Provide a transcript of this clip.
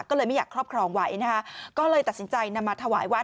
ก็เลยไม่อยากครอบครองไว้นะคะก็เลยตัดสินใจนำมาถวายวัด